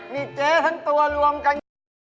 มีเจ๊ทันตัวรวมกัน